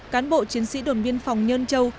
cán bộ chiến sĩ đồn biên phòng nhân châu